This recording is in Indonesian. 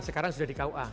sekarang sudah di kua